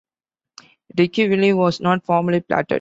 Dickeyville was not formally platted.